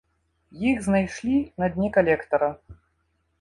Іх знайшлі на дне калектара.